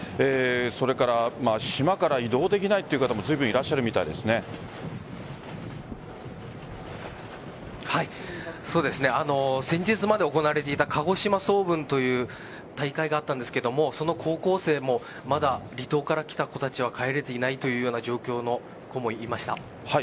それから、島から移動できないという方も、ずいぶん先日まで行われていた鹿児島総文という大会があったんですが、その高校生もまだ、離島から来た子は帰れていない状況の子もいました。